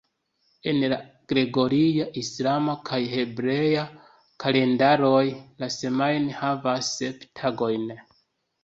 En la gregoria, islama kaj hebrea kalendaroj la semajno havas sep tagojn.